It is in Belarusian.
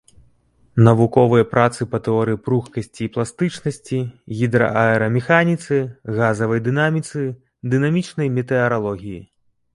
Навуковыя працы па тэорыі пругкасці і пластычнасці, гідрааэрамеханіцы, газавай дынаміцы, дынамічнай метэаралогіі.